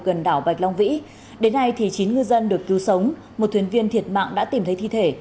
gần đảo bạch long vĩ đến nay chín ngư dân được cứu sống một thuyền viên thiệt mạng đã tìm thấy thi thể